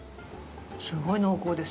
すごい濃厚です。